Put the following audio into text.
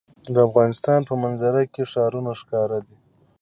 د افغانستان په منظره کې ښارونه ښکاره ده.